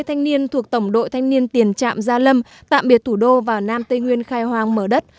hai thanh niên thuộc tổng đội thanh niên tiền trạm gia lâm tạm biệt thủ đô và nam tây nguyên khai hoang mở đất